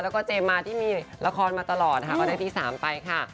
แล้วก็เจมมาที่มีละครมาตลอดนะคะก็ได้ที่๓ไปค่ะ